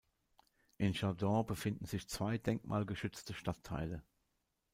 In Chardon befinden sich zwei denkmalgeschützte Stadtteile.